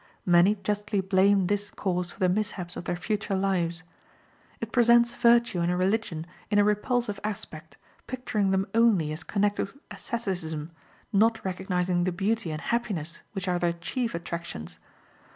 Many justly blame this cause for the mishaps of their future lives. It presents virtue and religion in a repulsive aspect, picturing them only as connected with asceticism, not recognizing the beauty and happiness which are their chief attractions.